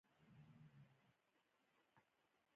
. لکڼه یې پر دېوال تکیه کړه .